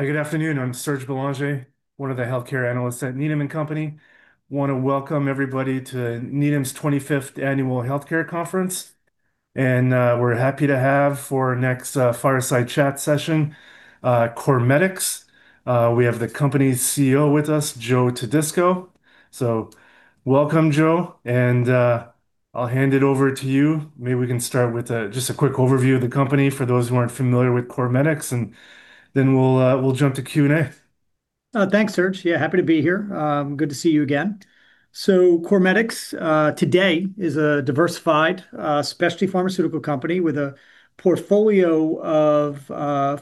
Good afternoon. I'm Serge Belanger, one of the healthcare analysts at Needham & Company. Want to welcome everybody to Needham's 25th Annual Healthcare Conference. We're happy to have for our next fireside chat session, CorMedix. We have the company's CEO with us, Joe Todisco. Welcome, Joe, and I'll hand it over to you. Maybe we can start with just a quick overview of the company for those who aren't familiar with CorMedix, and then we'll jump to Q&A. Thanks, Serge. Yeah, happy to be here. Good to see you again. CorMedix, today, is a diversified specialty pharmaceutical company with a portfolio of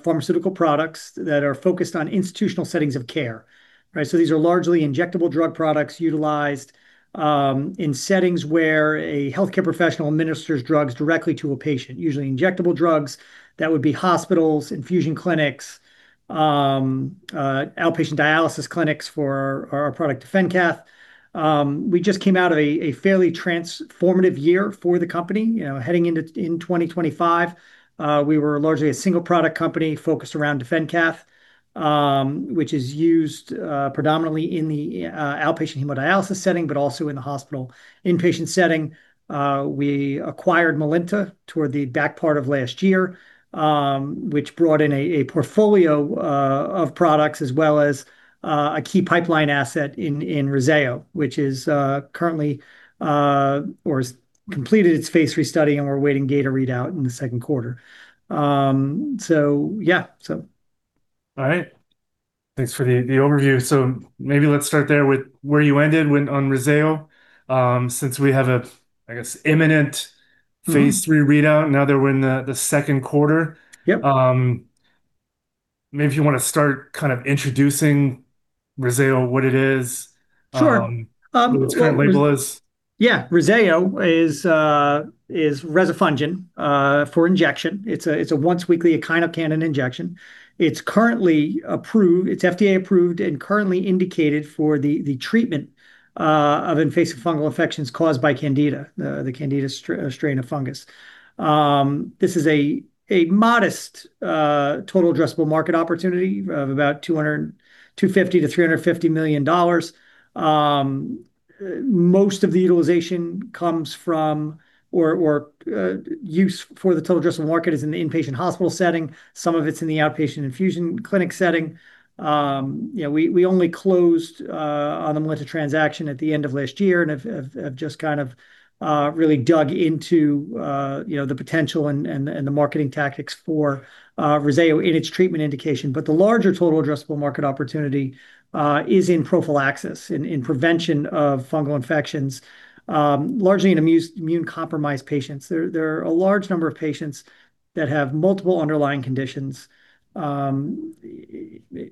pharmaceutical products that are focused on institutional settings of care, right? These are largely injectable drug products utilized in settings where a healthcare professional administers drugs directly to a patient, usually injectable drugs. That would be hospitals, infusion clinics, outpatient dialysis clinics for our product DefenCath. We just came out of a fairly transformative year for the company, heading into 2025. We were largely a single product company focused around DefenCath, which is used predominantly in the outpatient hemodialysis setting, but also in the hospital inpatient setting. We acquired Melinta toward the back part of last year, which brought in a portfolio of products as well as a key pipeline asset in REZZAYO, which has completed its phase III study, and we're waiting data readout in the Q2. All right. Thanks for the overview. Maybe let's start there with where you ended on REZZAYO, since we have a, I guess, imminent. Mm-hmm. Phase III readout now that we're in the Q2. Yep. Maybe if you want to start kind of introducing REZZAYO, what it is. Sure. What its current label is. Yeah. REZZAYO is rezafungin for injection. It's a once-weekly echinocandin injection. It's FDA-approved and currently indicated for the treatment of invasive fungal infections caused by Candida, the Candida strain of fungus. This is a modest total addressable market opportunity of about $250 million-$350 million. Most of the utilization, or use for the total addressable market, is in the inpatient hospital setting. Some of it's in the outpatient infusion clinic setting. We only closed on the Melinta transaction at the end of last year and have just kind of really dug into the potential and the marketing tactics for REZZAYO in its treatment indication. The larger total addressable market opportunity is in prophylaxis, in prevention of fungal infections, largely in immune-compromised patients. There are a large number of patients that have multiple underlying conditions,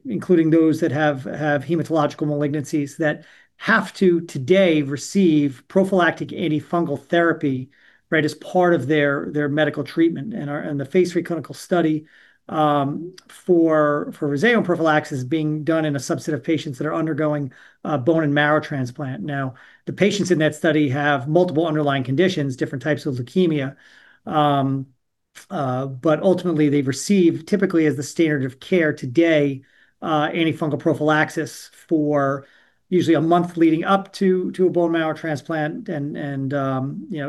including those that have hematological malignancies that have to, today, receive prophylactic antifungal therapy, right, as part of their medical treatment. And the phase III clinical study for REZZAYO prophylaxis being done in a subset of patients that are undergoing bone and marrow transplant. Now, the patients in that study have multiple underlying conditions, different types of leukemia. But ultimately, they've received, typically as the standard of care today, antifungal prophylaxis for usually a month leading up to a bone marrow transplant and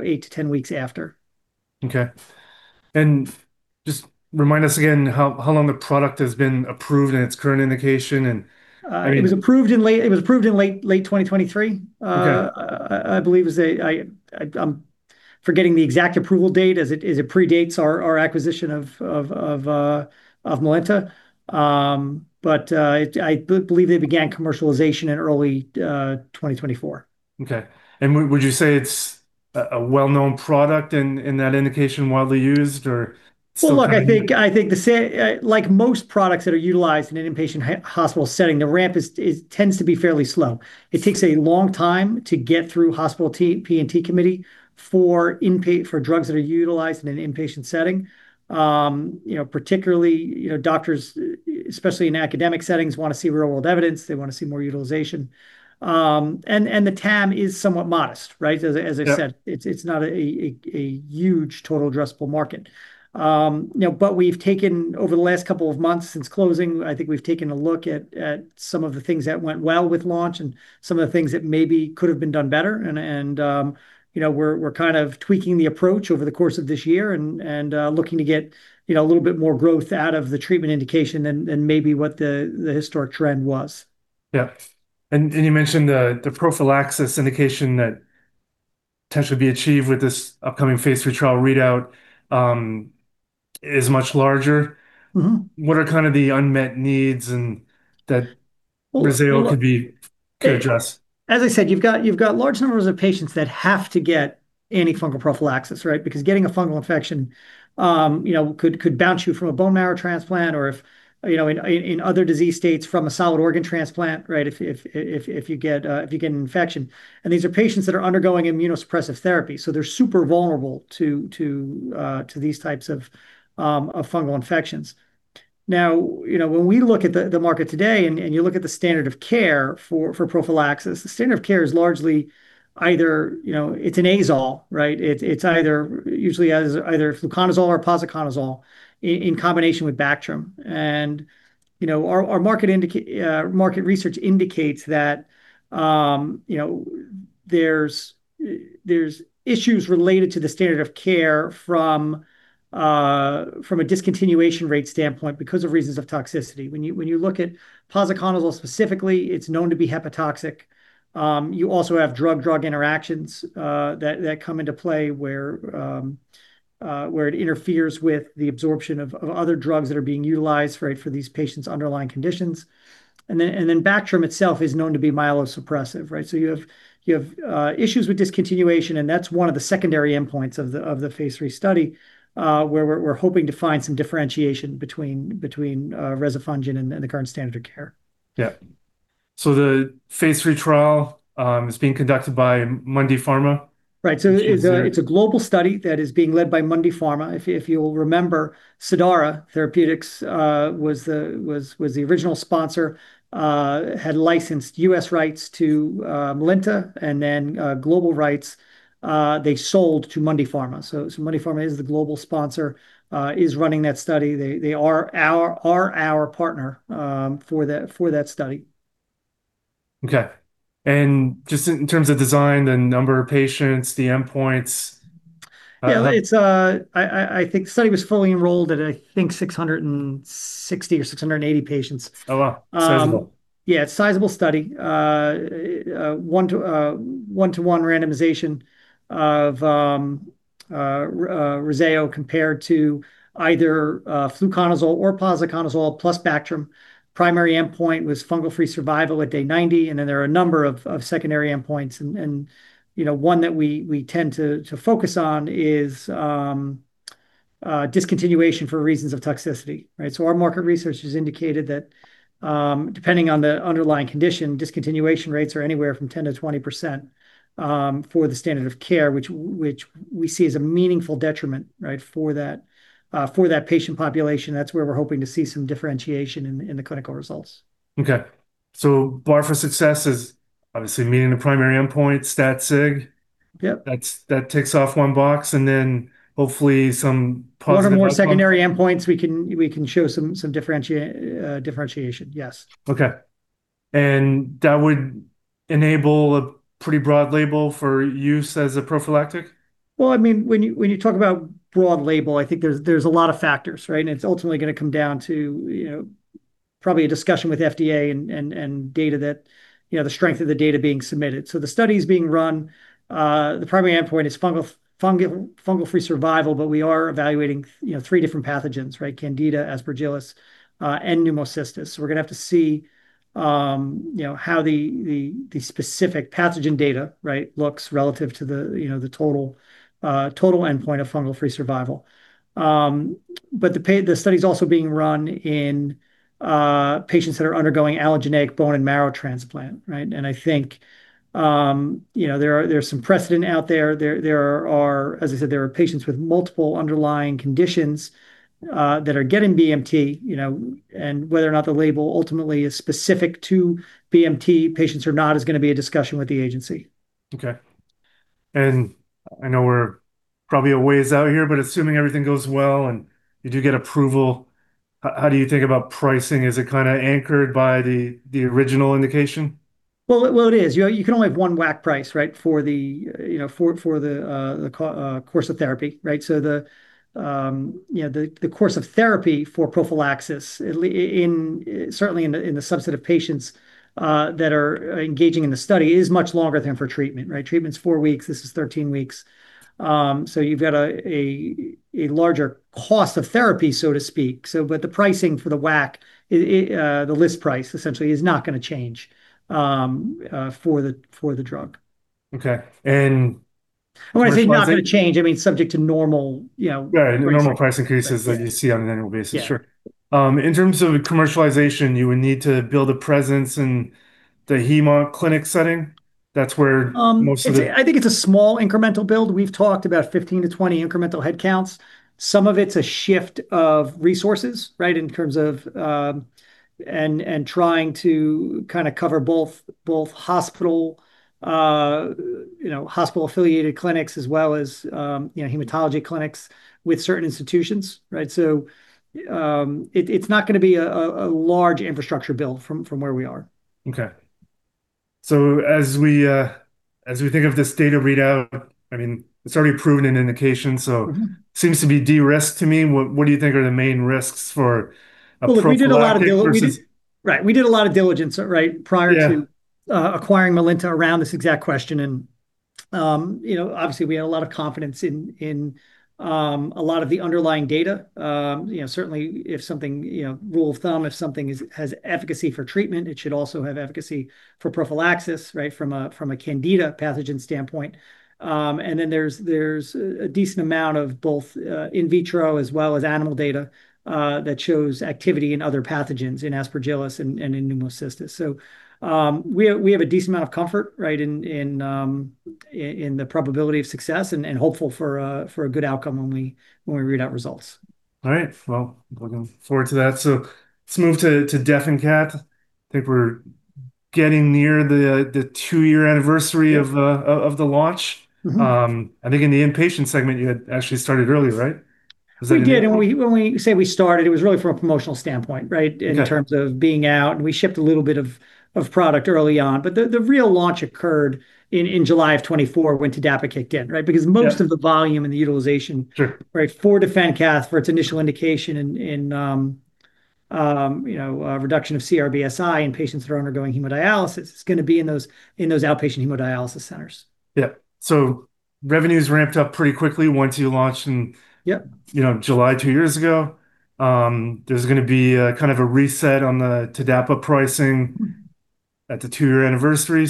eight to 10 weeks after. Okay. Just remind us again how long the product has been approved in its current indication. It was approved in late 2023. Okay. I'm forgetting the exact approval date, as it predates our acquisition of Melinta. I believe they began commercialization in early 2024. Okay. Would you say it's a well-known product in that indication, widely used, or still kind of new? Well, look, I think like most products that are utilized in an inpatient hospital setting, the ramp tends to be fairly slow. It takes a long time to get through hospital P&T committee for drugs that are utilized in an inpatient setting. Particularly, doctors, especially in academic settings, want to see real-world evidence. They want to see more utilization. The TAM is somewhat modest, right? Yeah. It's not a huge total addressable market. We've taken over the last couple of months since closing, I think we've taken a look at some of the things that went well with launch and some of the things that maybe could've been done better, and we're kind of tweaking the approach over the course of this year and looking to get a little bit more growth out of the treatment indication than maybe what the historic trend was. Yeah. You mentioned the prophylaxis indication that potentially be achieved with this upcoming phase III trial readout is much larger. Mm-hmm. What are kind of the unmet needs that REZZAYO could be to address? As I said, you've got large numbers of patients that have to get antifungal prophylaxis, right, because getting a fungal infection could bounce you from a bone marrow transplant, or if in other disease states, from a solid organ transplant, right, if you get an infection. These are patients that are undergoing immunosuppressive therapy, so they're super vulnerable to these types of fungal infections. Now, when we look at the market today, and you look at the standard of care for prophylaxis, the standard of care is largely either it's an azole, right? It's usually either fluconazole or posaconazole in combination with Bactrim. Our market research indicates that there's issues related to the standard of care from a discontinuation rate standpoint because of reasons of toxicity. When you look at posaconazole specifically, it's known to be hepatotoxic. You also have drug-drug interactions that come into play, where it interferes with the absorption of other drugs that are being utilized for these patients' underlying conditions. Bactrim itself is known to be myelosuppressive. You have issues with discontinuation, and that's one of the secondary endpoints of the phase III study, where we're hoping to find some differentiation between rezafungin and the current standard of care. Yeah. The phase III trial is being conducted by Mundipharma? Right. It's a global study that is being led by Mundipharma. If you'll remember, Cidara Therapeutics was the original sponsor, had licensed U.S. rights to Melinta, and then global rights they sold to Mundipharma. Mundipharma is the global sponsor, is running that study. They are our partner for that study. Okay, just in terms of design, the number of patients, the endpoints? Yeah. I think the study was fully enrolled at, I think, 660 patients or 680 patients. Oh, wow. Sizable. Yeah, sizable study, one to one randomization of REZZAYO compared to either fluconazole or posaconazole plus Bactrim. Primary endpoint was fungal-free survival at day 90, and then there are a number of secondary endpoints. One that we tend to focus on is discontinuation for reasons of toxicity. Our market research has indicated that depending on the underlying condition, discontinuation rates are anywhere from 10%-20% for the standard of care, which we see as a meaningful detriment for that patient population. That's where we're hoping to see some differentiation in the clinical results. Okay. Bar for success is obviously meeting the primary endpoint, stat sig. Yep. That ticks off one box. One or more secondary endpoints, we can show some differentiation. Yes. Okay. That would enable a pretty broad label for use as a prophylactic? Well, when you talk about broad label, I think there's a lot of factors. It's ultimately going to come down to probably a discussion with FDA and the strength of the data being submitted. The study's being run. The primary endpoint is fungal-free survival, but we are evaluating three different pathogens, Candida, Aspergillus, and Pneumocystis. We're going to have to see how the specific pathogen data looks relative to the total endpoint of fungal-free survival. The study's also being run in patients that are undergoing allogeneic bone and marrow transplant. I think there's some precedent out there. As I said, there are patients with multiple underlying conditions that are getting BMT. Whether or not the label ultimately is specific to BMT patients or not is going to be a discussion with the agency. Okay. I know we're probably a ways out here, but assuming everything goes well, and you do get approval, how do you think about pricing? Is it kind of anchored by the original indication? Well, it is. You can only have one WAC price for the course of therapy. The course of therapy for prophylaxis, certainly in the subset of patients that are engaging in the study, is much longer than for treatment. Treatment's four weeks. This is 13 weeks. You've got a larger cost of therapy, so to speak. The pricing for the WAC, the list price essentially, is not going to change for the drug. Okay. When I say not going to change, I mean subject to normal. Yeah, normal price increases that you see on an annual basis. Yeah. Sure. In terms of commercialization, you would need to build a presence in the Hema clinic setting? That's where most of the- I think it's a small incremental build. We've talked about 15-20 incremental headcounts. Some of it's a shift of resources right in terms of and trying to cover both hospital-affiliated clinics as well as hematology clinics with certain institutions. It's not going to be a large infrastructure build from where we are. Okay. As we think of this data readout, it's already proven in indication, so seems to be de-risked to me. What do you think are the main risks for a prophylactic versus? We did a lot of diligence prior to. Yeah. We were acquiring Melinta around this exact question, and obviously we had a lot of confidence in a lot of the underlying data. Certainly, rule of thumb, if something has efficacy for treatment, it should also have efficacy for prophylaxis from a Candida pathogen standpoint. There's a decent amount of both in vitro as well as animal data that shows activity in other pathogens, in Aspergillus and in Pneumocystis. We have a decent amount of comfort in the probability of success and hopeful for a good outcome when we read out results. All right. Well, I'm looking forward to that. Let's move to DefenCath. I think we're getting near the two-year anniversary of the launch. Mm-hmm. I think in the inpatient segment, you had actually started earlier, right? We did. When we say we started, it was really from a promotional standpoint, right? Yeah. In terms of being out, and we shipped a little bit of product early on. The real launch occurred in July of 2024 when TDAPA kicked in, right? Yeah. Because most of the volume and the utilization. Sure Right, for DefenCath for its initial indication in reduction of CRBSI in patients that are undergoing hemodialysis is going to be in those outpatient hemodialysis centers. Yeah. Revenues ramped up pretty quickly once you launched. Yep. July two years ago. There's going to be a kind of a reset on the TDAPA pricing at the two-year anniversary.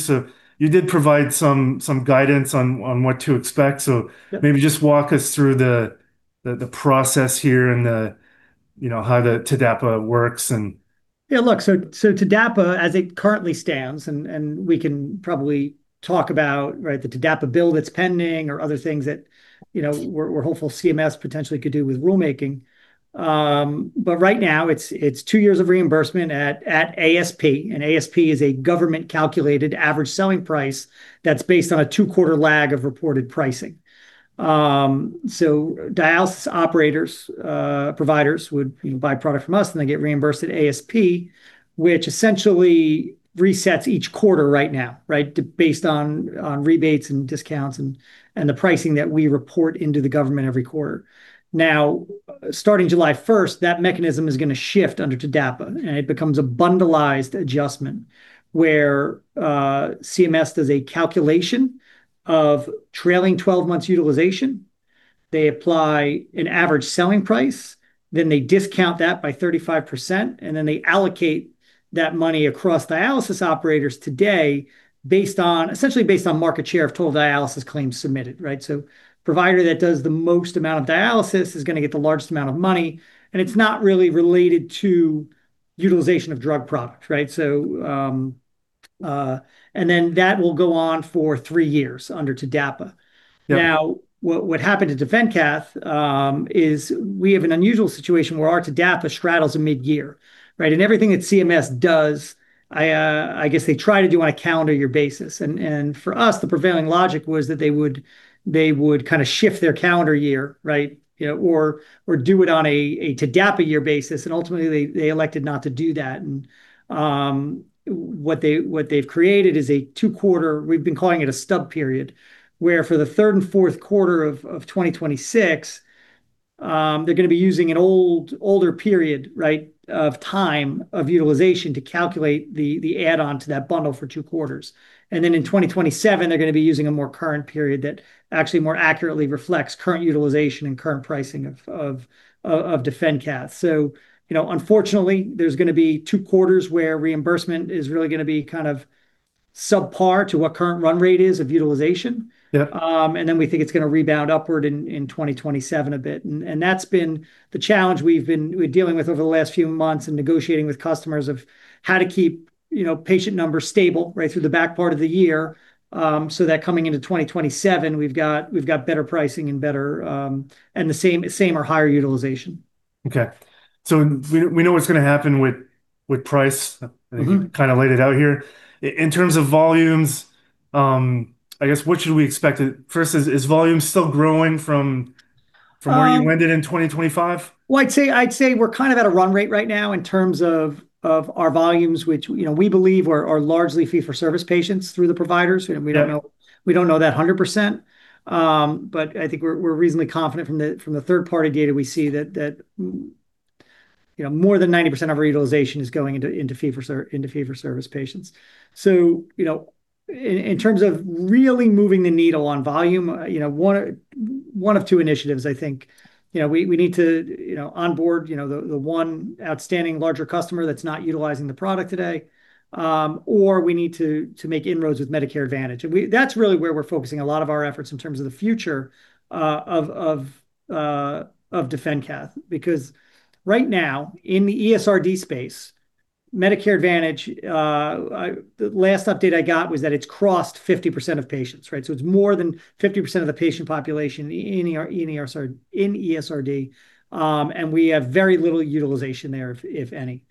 You did provide some guidance on what to expect. Maybe just walk us through the process here and how the TDAPA works. Yeah, look, TDAPA, as it currently stands, and we can probably talk about, right, the TDAPA bill that's pending or other things that we're hopeful CMS potentially could do with rulemaking. Right now, it's two years of reimbursement at ASP, and ASP is a government-calculated average selling price that's based on a two-quarter lag of reported pricing. Dialysis operators, providers would buy product from us, and they get reimbursed at ASP, which essentially resets each quarter right now, right, based on rebates and discounts and the pricing that we report into the government every quarter. Now, starting July 1st, that mechanism is going to shift under TDAPA, and it becomes a bundle-ized adjustment where CMS does a calculation of trailing 12 months utilization. They apply an average selling price, then they discount that by 35%, and then they allocate that money across dialysis operators today, essentially based on market share of total dialysis claims submitted, right? Provider that does the most amount of dialysis is going to get the largest amount of money, and it's not really related to utilization of drug product, right? That will go on for three years under TDAPA. Yeah. Now, what happened to DefenCath is we have an unusual situation where our TDAPA straddles a mid-year, right? Everything that CMS does, I guess they try to do on a calendar year basis. For us, the prevailing logic was that they would kind of shift their calendar year, right, or do it on a TDAPA year basis, and ultimately, they elected not to do that. What they've created is a two-quarter, we've been calling it a stub period, where for the Q3 and Q4 of 2026, they're going to be using an older period, right, of time of utilization to calculate the add-on to that bundle for two quarters. In 2027, they're going to be using a more current period that actually more accurately reflects current utilization and current pricing of DefenCath. Unfortunately, there's going to be two quarters where reimbursement is really going to be kind of subpar to what current run rate is of utilization. Yeah. We think it's going to rebound upward in 2027 a bit. That's been the challenge we've been dealing with over the last few months in negotiating with customers of how to keep patient numbers stable, right, through the back part of the year, so that coming into 2027, we've got better pricing and the same or higher utilization. Okay. We know what's going to happen with price. Mm-hmm. I think you kind of laid it out here. In terms of volumes, I guess what should we expect? First, is volume still growing from where you ended in 2025? Well, I'd say we're kind of at a run rate right now in terms of our volumes, which we believe are largely fee for service patients through the providers. Yeah. We don't know that 100%, but I think we're reasonably confident from the third-party data we see that more than 90% of our utilization is going into fee-for-service patients. In terms of really moving the needle on volume, one of two initiatives, I think, we need to onboard the one outstanding larger customer that's not utilizing the product today, or we need to make inroads with Medicare Advantage. That's really where we're focusing a lot of our efforts in terms of the future of DefenCath. Because right now, in the ESRD space, Medicare Advantage, the last update I got was that it's crossed 50% of patients, right? It's more than 50% of the patient population in ESRD, and we have very little utilization there, if any.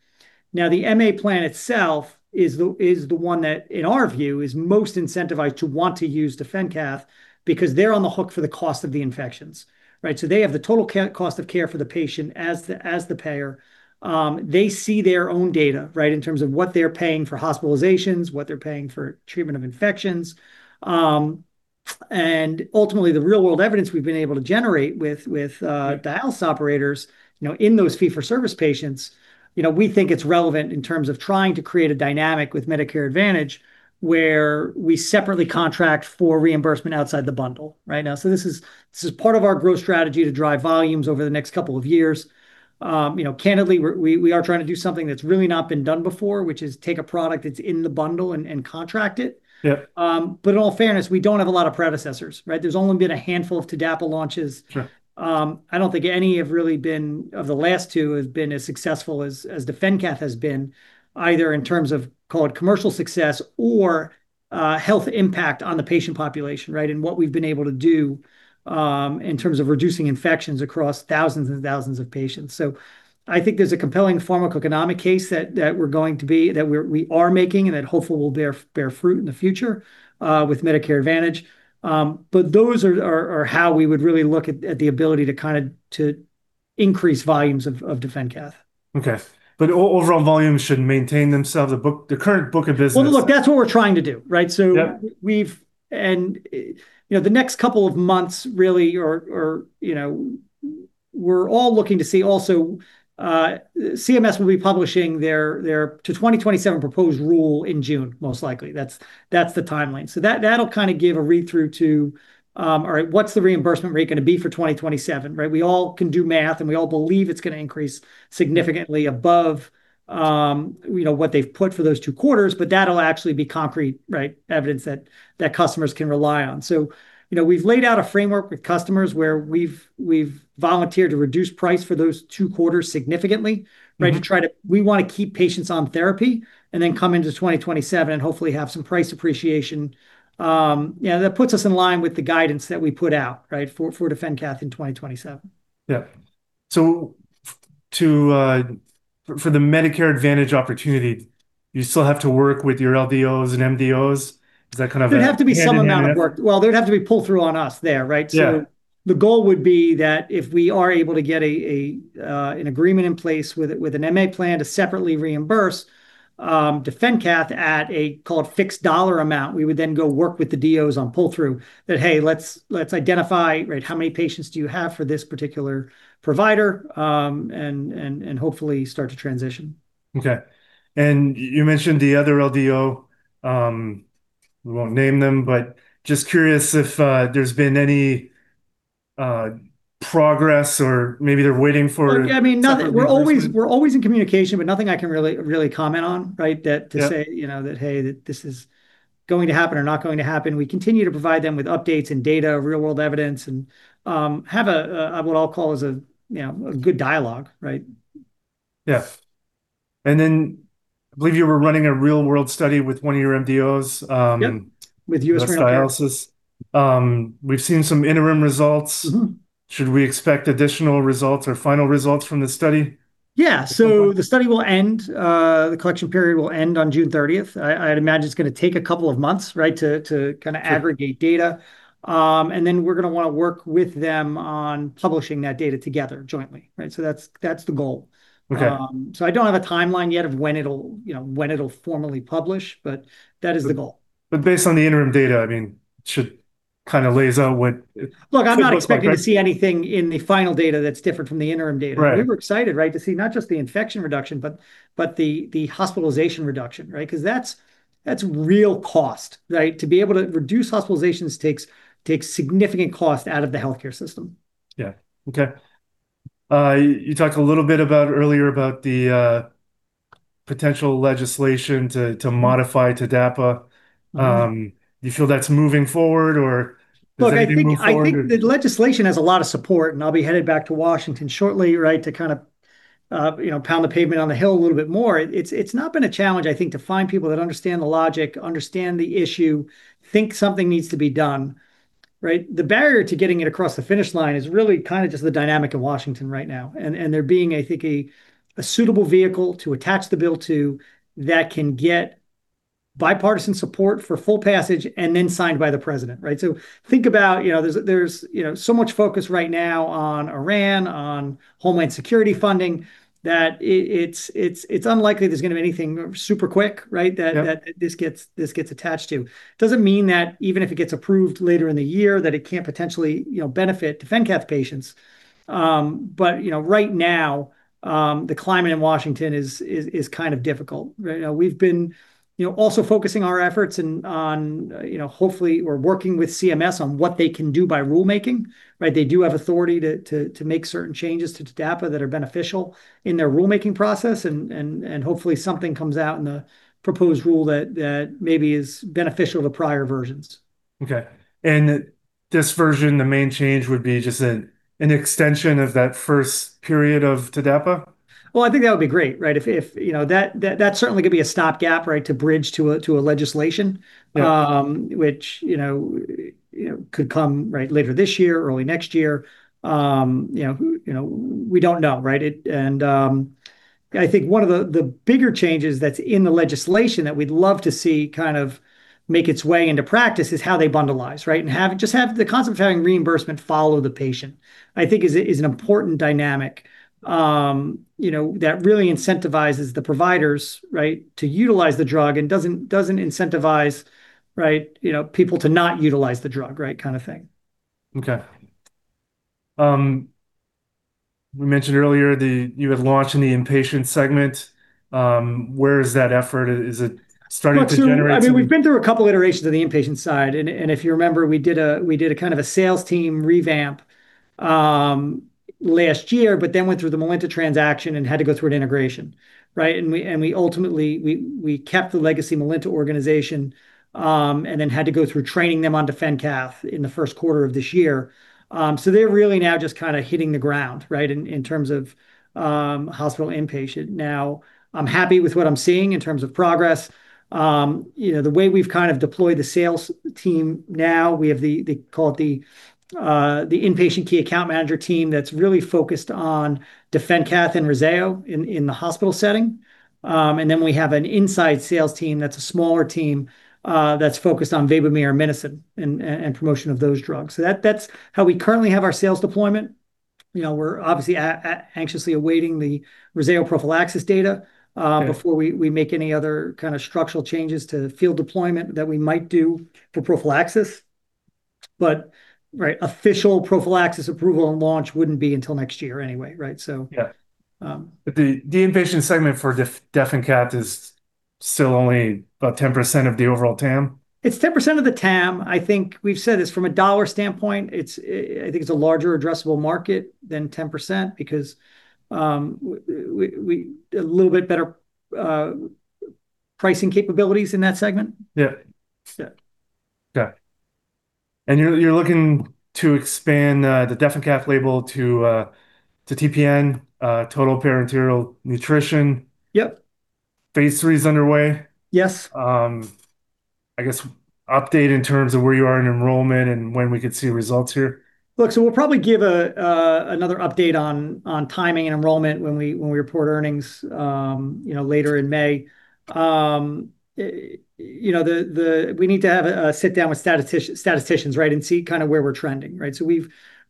Now, the MA plan itself is the one that, in our view, is most incentivized to want to use DefenCath because they're on the hook for the cost of the infections, right? They have the total cost of care for the patient as the payer. They see their own data, right, in terms of what they're paying for hospitalizations, what they're paying for treatment of infections. Ultimately, the real-world evidence we've been able to generate with dialysis operators in those fee for service patients, we think it's relevant in terms of trying to create a dynamic with Medicare Advantage where we separately contract for reimbursement outside the bundle, right? Now, this is part of our growth strategy to drive volumes over the next couple of years. Candidly, we are trying to do something that's really not been done before, which is take a product that's in the bundle and contract it. Yep. But in all fairness, we don't have a lot of predecessors, right? There's only been a handful of TDAPA launches. Sure. I don't think any have really been, of the last two, have been as successful as DefenCath has been, either in terms of call it commercial success or health impact on the patient population, right? What we've been able to do in terms of reducing infections across thousands and thousands of patients, I think there's a compelling pharmacoeconomic case that we are making and that hopefully will bear fruit in the future with Medicare Advantage. Those are how we would really look at the ability to kind of increase volumes of DefenCath. Okay. Overall volumes should maintain themselves. Well, look, that's what we're trying to do, right? Yeah. The next couple of months, really, we're all looking to see also, CMS will be publishing their 2027 proposed rule in June, most likely. That's the timeline. That'll give a read-through to, all right, what's the reimbursement rate going to be for 2027, right? We all can do math, and we all believe it's going to increase significantly above what they've put for those two quarters, but that'll actually be concrete, right? Evidence that customers can rely on. We've laid out a framework with customers where we've volunteered to reduce price for those two quarters significantly. Right. We want to keep patients on therapy and then come into 2027 and hopefully have some price appreciation. Yeah, that puts us in line with the guidance that we put out, right, for DefenCath in 2027? Yeah. For the Medicare Advantage opportunity, do you still have to work with your LDOs and MDOs? Is that kind of hand-in-hand? There'd have to be some amount of work. Well, there'd have to be pull-through on us there, right? Yeah. The goal would be that if we are able to get an agreement in place with an MA plan to separately reimburse DefenCath at a, call it, fixed dollar amount, we would then go work with the DOs on pull-through that, hey, let's identify, right, how many patients do you have for this particular provider, and hopefully start to transition. Okay. You mentioned the other LDO, we won't name them, but just curious if there's been any progress or maybe they're waiting for separate reimbursement? We're always in communication, but nothing I can really comment on, right? Yeah. To say that, "Hey, this is going to happen or not going to happen," we continue to provide them with updates and data, real-world evidence, and have what I'll call is a good dialogue, right? Yeah. I believe you were running a real-world study with one of your MDOs. Yep. With U.S. Renal Care.... for dialysis. We've seen some interim results. Mm-hmm. Should we expect additional results or final results from this study? Yeah. The collection period will end on June 30th. I'd imagine it's going to take a couple of months, right, to aggregate data. Sure. We're going to want to work with them on publishing that data together jointly, right? That's the goal. Okay. I don't have a timeline yet of when it'll formally publish, but that is the goal. Based on the interim data, it should lays out what the close part. Look, I'm not expecting to see anything in the final data that's different from the interim data. Right. We were excited, right, to see not just the infection reduction, but the hospitalization reduction, right, because that's real cost, right? To be able to reduce hospitalizations takes significant cost out of the healthcare system. Yeah. Okay. You talked a little bit earlier about the potential legislation to modify TDAPA. Mm-hmm. Do you feel that's moving forward or does that need to move forward? Look, I think the legislation has a lot of support, and I'll be headed back to Washington shortly, right, to pound the pavement on the Hill a little bit more. It's not been a challenge, I think, to find people that understand the logic, understand the issue, think something needs to be done, right? The barrier to getting it across the finish line is really just the dynamic of Washington right now, and there being, I think, a suitable vehicle to attach the bill to that can get bipartisan support for full passage and then signed by the President, right? Think about, there's so much focus right now on Iran, on Homeland Security funding, that it's unlikely there's going to be anything super quick, right? Yeah. That this gets attached to doesn't mean that even if it gets approved later in the year, that it can't potentially benefit DefenCath patients. Right now, the climate in Washington is difficult. We've been also focusing our efforts on hopefully we're working with CMS on what they can do by rulemaking, right? They do have authority to make certain changes to TDAPA that are beneficial in their rulemaking process, and hopefully something comes out in the proposed rule that maybe is beneficial to prior versions. Okay. This version, the main change would be just an extension of that first period of TDAPA? Well, I think that would be great, right? That certainly could be a stopgap, right, to bridge to a legislation. Right. Which could come, right, later this year, early next year. We don't know, right? I think one of the bigger changes that's in the legislation that we'd love to see make its way into practice is how they bundleize, right? Just have the concept of having reimbursement follow the patient, I think is an important dynamic that really incentivizes the providers, right, to utilize the drug and doesn't incentivize, right, people to not utilize the drug, right, kind of thing. Okay. We mentioned earlier you had launched in the inpatient segment. Where is that effort? Well, we've been through a couple iterations of the inpatient side, and if you remember, we did a kind of a sales team revamp last year, but then went through the Melinta transaction and had to go through an integration, right? We ultimately kept the legacy Melinta organization, and then had to go through training them on DefenCath in the Q1 of this year. They're really now just hitting the ground, right, in terms of hospital inpatient. Now, I'm happy with what I'm seeing in terms of progress. The way we've deployed the sales team now, we have, they call it the inpatient key account manager team that's really focused on DefenCath and REZZAYO in the hospital setting. We have an inside sales team that's a smaller team, that's focused on VABOMERE and MINOCIN, and promotion of those drugs. That's how we currently have our sales deployment. We're obviously anxiously awaiting the REZZAYO prophylaxis data. Yeah.... before we make any other kind of structural changes to field deployment that we might do for prophylaxis. But official prophylaxis approval and launch wouldn't be until next year anyway, right? So- Yeah. The inpatient segment for DefenCath is still only about 10% of the overall TAM? It's 10% of the TAM. I think we've said this from a dollar standpoint. I think it's a larger addressable market than 10% because a little bit better pricing capabilities in that segment. Yeah. Yeah. Okay. You're looking to expand the DefenCath label to TPN, total parenteral nutrition. Yep. Phase III is underway. Yes. I guess update in terms of where you are in enrollment and when we could see results here? Look, we'll probably give another update on timing and enrollment when we report earnings later in May. We need to have a sit-down with statisticians, right? See kind of where we're trending, right?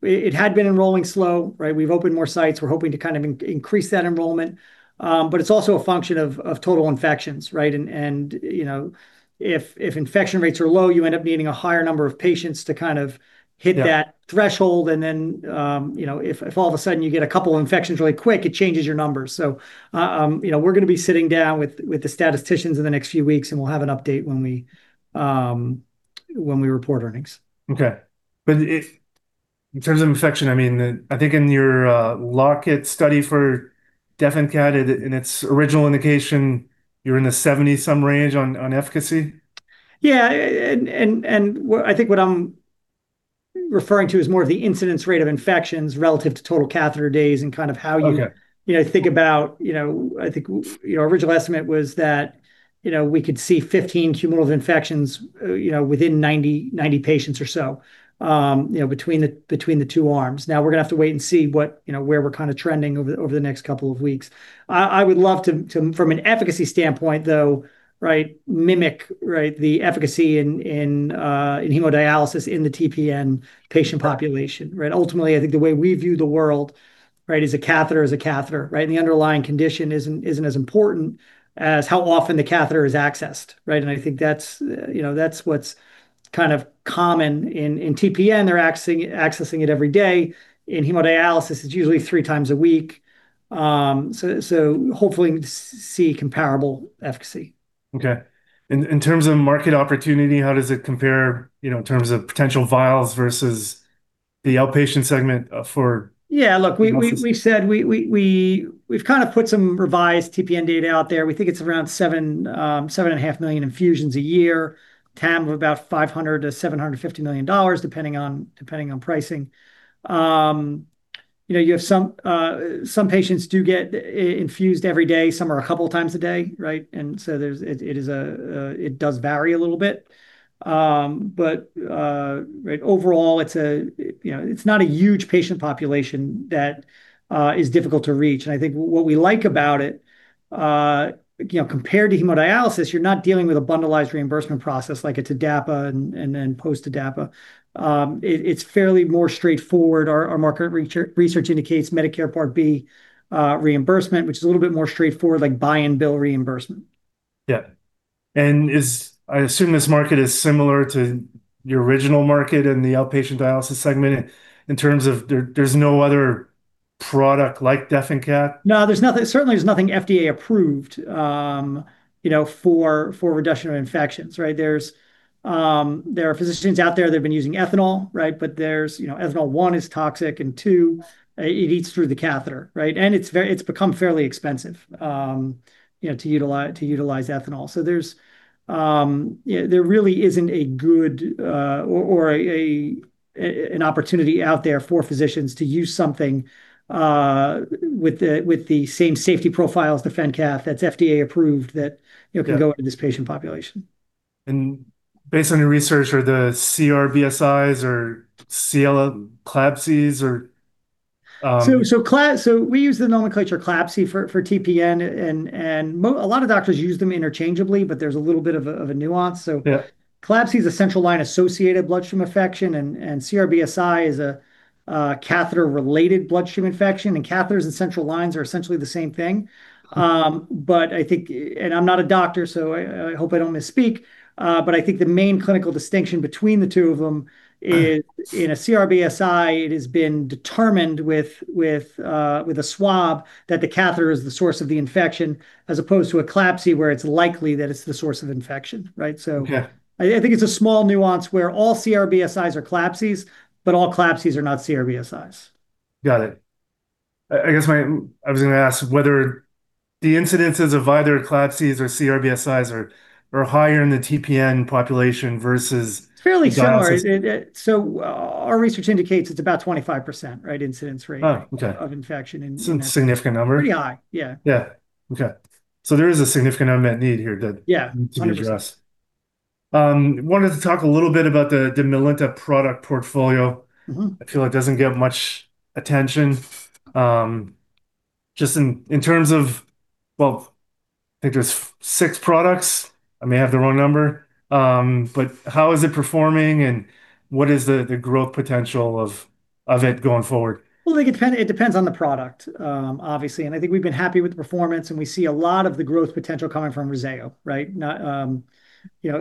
It had been enrolling slow, right? We've opened more sites. We're hoping to increase that enrollment. It's also a function of total infections, right? If infection rates are low, you end up needing a higher number of patients to kind of hit that. Threshold. If all of a sudden you get a couple infections really quick, it changes your numbers. We're going to be sitting down with the statisticians in the next few weeks, and we'll have an update when we report earnings. Okay. In terms of infection, I think in your LOCK-IT study for DefenCath, in its original indication, you're in the 70-some range on efficacy? Yeah. I think what I'm referring to is more of the incidence rate of infections relative to total catheter days. Okay. Think about, our original estimate was that we could see 15 cumulative infections within 90 patients or so between the two arms. Now we're going to have to wait and see where we're kind of trending over the next couple of weeks. I would love to, from an efficacy standpoint, though, mimic the efficacy in hemodialysis in the TPN patient population. Right? Ultimately, I think the way we view the world is a catheter is a catheter, right? The underlying condition isn't as important as how often the catheter is accessed, right? I think that's what's kind of common. In TPN, they're accessing it every day. In hemodialysis, it's usually three times a week. Hopefully we see comparable efficacy. Okay. In terms of market opportunity, how does it compare in terms of potential vials versus the outpatient segment? Yeah, look, we've kind of put some revised TPN data out there. We think it's around 7.5 million infusions a year, TAM of about $500 million-$750 million, depending on pricing. Some patients do get infused every day. Some are a couple times a day, right? It does vary a little bit. Overall it's not a huge patient population that is difficult to reach. I think what we like about it, compared to hemodialysis, you're not dealing with a bundle-ized reimbursement process like a TDAPA and then post a TDAPA. It's fairly more straightforward. Our market research indicates Medicare Part B reimbursement, which is a little bit more straightforward, like buy and bill reimbursement. Yeah. I assume this market is similar to your original market in the outpatient dialysis segment in terms of there's no other product like DefenCath? No, certainly there's nothing FDA-approved for reduction of infections, right? There are physicians out there that have been using ethanol, right? Ethanol, one, is toxic, and two, it eats through the catheter, right? It's become fairly expensive to utilize ethanol. There really isn't a good or an opportunity out there for physicians to use something with the same safety profile as DefenCath that's FDA-approved. Yeah. Can go into this patient population. Based on your research, are the CRBSIs or CLABSI? We use the nomenclature CLABSI for TPN, and a lot of doctors use them interchangeably, but there's a little bit of a nuance. Yeah. CLABSI is a central line-associated bloodstream infection, and CRBSI is a catheter-related bloodstream infection, and catheters and central lines are essentially the same thing. I'm not a doctor, so I hope I don't misspeak, but I think the main clinical distinction between the two of them is in a CRBSI, it has been determined with a swab that the catheter is the source of the infection as opposed to a CLABSI where it's likely that it's the source of infection, right? Yeah. I think it's a small nuance where all CRBSIs are CLABSIs, but all CLABSIs are not CRBSIs. Got it. I was going to ask whether the incidences of either CLABSIs or CRBSIs are higher in the TPN population versus dialysis. Fairly similar. Our research indicates it's about 25%, right, incidence rate. Oh, okay. ...of infection in. It's a significant number. Pretty high. Yeah. Yeah. Okay. There is a significant unmet need here. Yeah. 100%. I wanted to talk a little bit about the Melinta product portfolio. Mm-hmm. I feel it doesn't get much attention. Just in terms of, well, I think there's six products. I may have the wrong number, but how is it performing and what is the growth potential of it going forward? Well, I think it depends on the product, obviously, and I think we've been happy with the performance, and we see a lot of the growth potential coming from REZZAYO, right?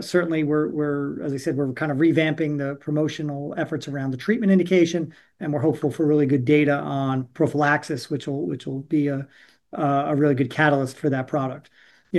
Certainly, as I said, we're kind of revamping the promotional efforts around the treatment indication, and we're hopeful for really good data on prophylaxis, which will be a really good catalyst for that product.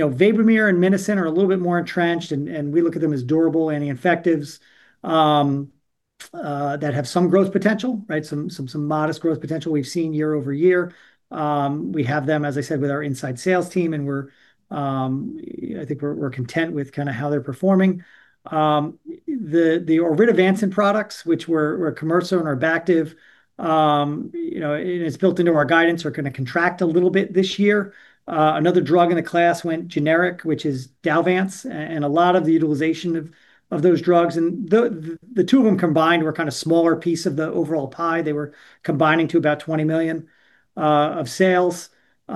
VABOMERE and MINOCIN are a little bit more entrenched, and we look at them as durable anti-infectives that have some growth potential, right? Some modest growth potential we've seen year-over-year. We have them, as I said, with our inside sales team, and I think we're content with how they're performing. The oritavancin products, which were KIMYRSA and ORBACTIV, and it's built into our guidance, are going to contract a little bit this year. Another drug in the class went generic, which is DALVANCE. A lot of the utilization of those drugs, the two of them combined, were kind of smaller piece of the overall pie. They were combining to about $20 million of sales. For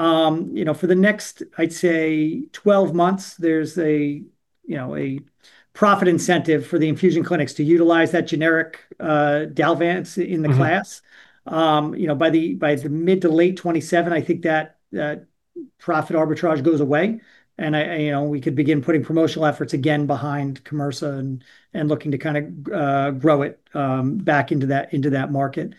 the next, I'd say 12 months, there's a profit incentive for the infusion clinics to utilize that generic DALVANCE in the class. Mm-hmm. By the mid to late 2027, I think that profit arbitrage goes away, and we could begin putting promotional efforts again behind KIMYRSA and looking to kind of grow it back into that market.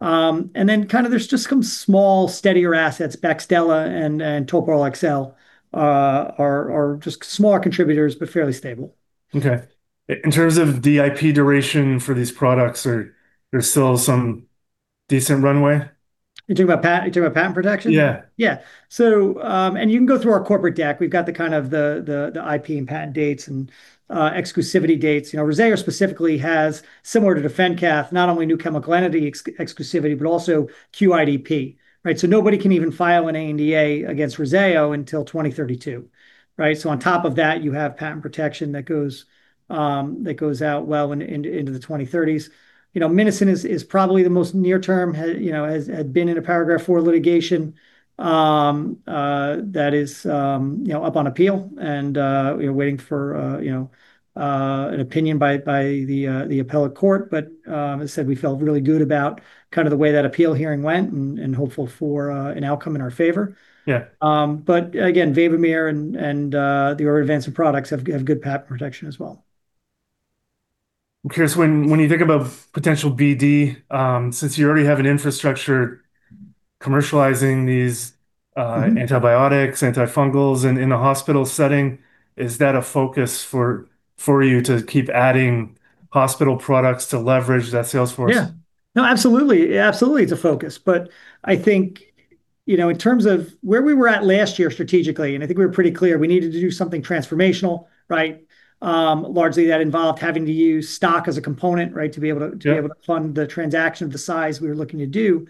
Kind of there's just some small, steadier assets. BAXDELA and TOPROL-XL are just smaller contributors, but fairly stable. Okay. In terms of IP duration for these products, are there still some decent runway? You're talking about patent protection? Yeah. Yeah. You can go through our corporate deck. We've got the IP and patent dates and exclusivity dates. REZZAYO specifically has, similar to DefenCath, not only new chemical entity exclusivity, but also QIDP. Right? Nobody can even file an ANDA against REZZAYO until 2032. Right? On top of that, you have patent protection that goes out well into the 2030s. MINOCIN is probably the most near term, had been in a Paragraph IV litigation. That is up on appeal and we're waiting for an opinion by the appellate court. As I said, we felt really good about kind of the way that appeal hearing went and hopeful for an outcome in our favor. Yeah. Again, VABOMERE and the oritavancin products have good patent protection as well. I'm curious, when you think about potential BD, since you already have an infrastructure commercializing these antibiotics, antifungals in a hospital setting, is that a focus for you to keep adding hospital products to leverage that sales force? Yeah, no, absolutely, it's a focus. I think in terms of where we were at last year strategically, and I think we were pretty clear, we needed to do something transformational, right? Largely, that involved having to use stock as a component to be able to. Yeah. We wanted to be able to fund the transaction of the size we were looking to do.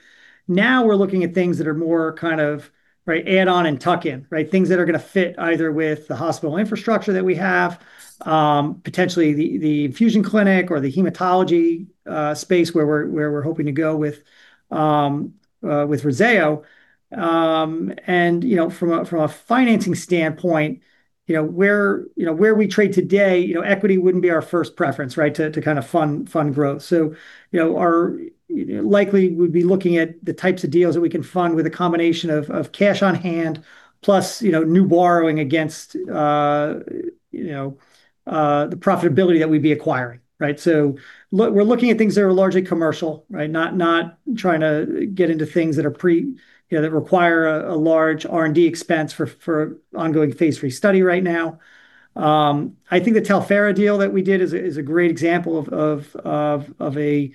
Now we're looking at things that are more kind of add-on and tuck-in, right, things that are going to fit either with the hospital infrastructure that we have, potentially the infusion clinic or the hematology space where we're hoping to go with REZZAYO. From a financing standpoint, where we trade today, equity wouldn't be our first preference, right, to kind of fund growth. Likely we'd be looking at the types of deals that we can fund with a combination of cash on hand plus new borrowing against the profitability that we'd be acquiring, right? We're looking at things that are largely commercial. We are not trying to get into things that require a large R&D expense for ongoing phase III study right now. I think the Talphera deal that we did is a great example of a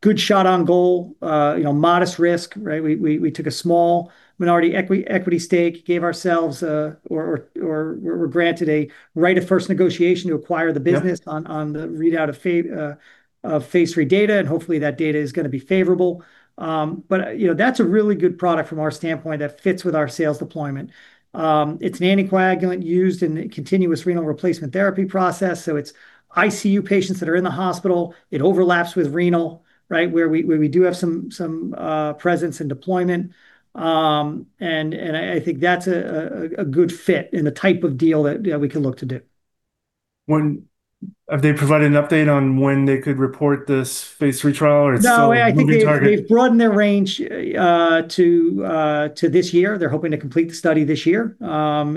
good shot on goal. Modest risk. We took a small minority equity stake, gave ourselves, or were granted a right of first negotiation to acquire the business. Yeah. On the readout of phase III data, and hopefully that data is going to be favorable. That's a really good product from our standpoint that fits with our sales deployment. It's an anticoagulant used in a continuous renal replacement therapy process, so it's ICU patients that are in the hospital. It overlaps with renal, where we do have some presence and deployment. I think that's a good fit in the type of deal that we can look to do. Have they provided an update on when they could report this phase III trial, or it's still a moving target? No, I think they've broadened their range to this year. They're hoping to complete the study this year. When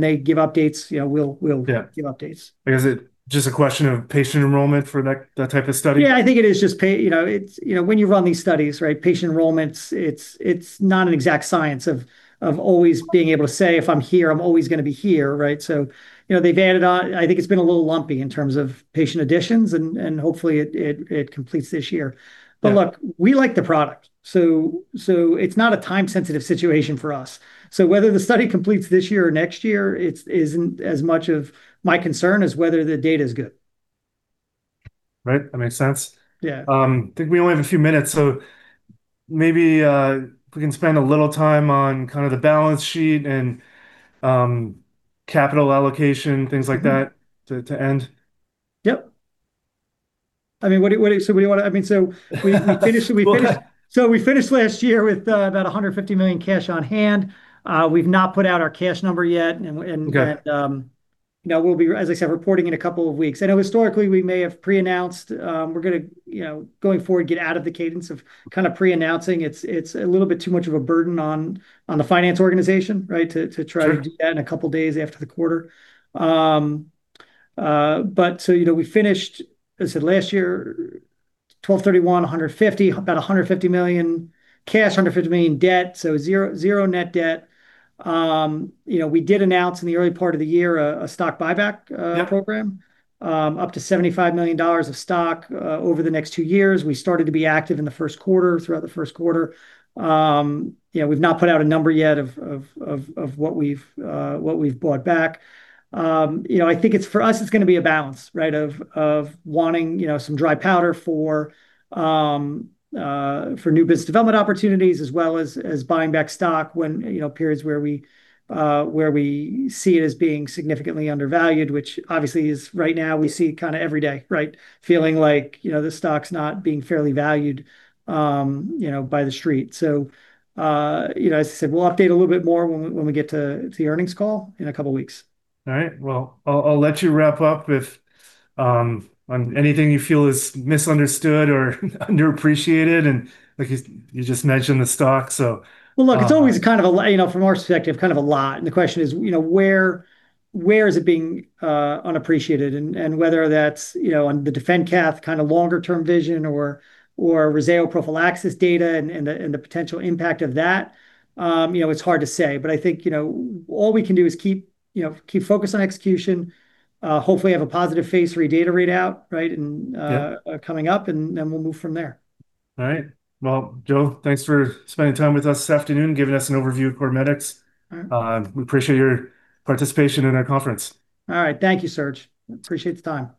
they give updates, we'll give updates. Yeah. Is it just a question of patient enrollment for that type of study? Yeah, I think it is just, when you run these studies, patient enrollments, it's not an exact science of always being able to say, "If I'm here, I'm always going to be here," right? They've added on. I think it's been a little lumpy in terms of patient additions, and hopefully it completes this year. Yeah. Look, we like the product, so it's not a time-sensitive situation for us. Whether the study completes this year or next year isn't as much of my concern as whether the data's good. Right. That makes sense. Yeah. I think we only have a few minutes, so maybe if we can spend a little time on kind of the balance sheet and capital allocation, things like that, to end. Yep. We finished last year with about $150 million cash on hand. We've not put out our cash number yet. Okay. We'll be, as I said, reporting in a couple of weeks. I know historically we may have pre-announced. We're going to, going forward, get out of the cadence of pre-announcing. It's a little bit too much of a burden on the finance organization, right? Sure. To try to do that in a couple of days after the quarter. We finished, as I said, last year, 12/31, about $150 million cash, $150 million debt. Zero net debt. We did announce in the early part of the year a stock buyback program. Yeah. Up to $75 million of stock over the next two years. We started to be active in the Q1, throughout the Q1. We've not put out a number yet of what we've bought back. I think, for us, it's going to be a balance, right, of wanting some dry powder for new business development opportunities, as well as buying back stock, periods where we see it as being significantly undervalued, which obviously is right now, we see every day, right, feeling like the stock's not being fairly valued by The Street. As I said, we'll update a little bit more when we get to the earnings call in a couple of weeks. All right. Well, I'll let you wrap up with on anything you feel is misunderstood or underappreciated, and like you just mentioned, the stock, so- Well, look, it's always from our perspective, a lot, and the question is, where is it being unappreciated? Whether that's on the DefenCath longer term vision or REZZAYO prophylaxis data and the potential impact of that, it's hard to say. I think all we can do is keep focused on execution, hopefully have a positive phase III data readout, right? Yeah. Coming up, and then we'll move from there. Well, Joe, thanks for spending time with us this afternoon, giving us an overview of CorMedix. We appreciate your participation in our conference. All right. Thank you, Serge. Appreciate the time.